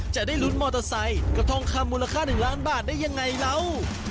จะลุ้นมอเตอร์ไซค์จะทอมคำธรรมและราคา๑ล้านบาทได้ยังไงแล้ว